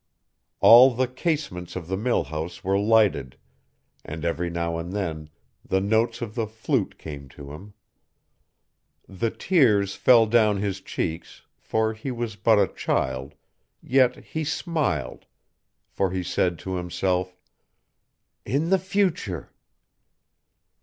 All the casements of the mill house were lighted, and every now and then the notes of the flute came to him. The tears fell down his cheeks, for he was but a child, yet he smiled, for he said to himself, "In the future!"